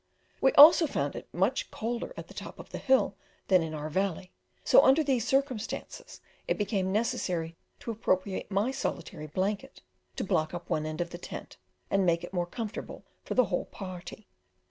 We also found it much colder at the top of this hill than in our valley; so under these circumstances it became necessary to appropriate my solitary blanket to block up one end of the tent and make it more comfortable for the whole party.